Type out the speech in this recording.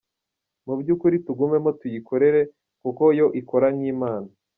Mu by'ukuri tugumemo tuyikorere kuko yo ikora nk'Imana.